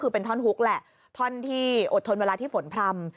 คือเป็นท่อนฮุกแหละท่อนที่อดทนเวลาที่ฝนพร่ำ